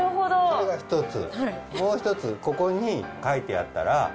それが１つ。